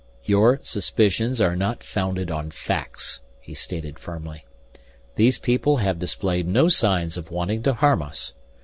"Your suspicions are not founded on facts," he stated firmly. "These people have displayed no signs of wanting to harm us.